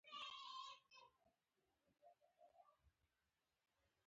آیا ځینې قومونه ولور د نجلۍ حق نه ګڼي؟